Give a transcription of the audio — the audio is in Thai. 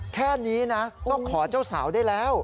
แค่นี้นะก็ขอเจ้าสาวได้แล้ว